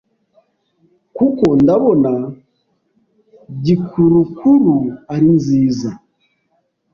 kuko ndabona gikurukuru ari nziza